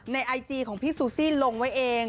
ไอจีของพี่ซูซี่ลงไว้เอง